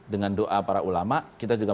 dengan doa para ulama kita juga